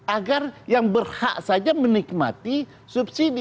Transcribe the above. agar yang berhak saja menikmati subsidi